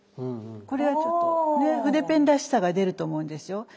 これはちょっと筆ペンらしさが出ると思うんですよ。